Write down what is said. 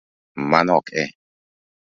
Mano ok e